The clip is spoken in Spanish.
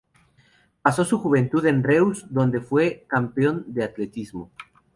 Pasó su juventud en Reus, donde fue campeón de atletismo.